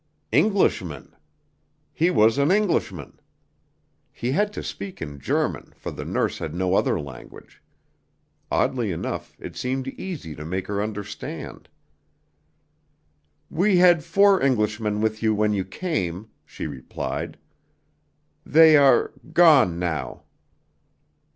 "Englishmen!" He was an Englishman. He had to speak in German, for the nurse had no other language. Oddly enough, it seemed easy to make her understand. "We had four Englishmen with you when you came," she replied. "They are gone now."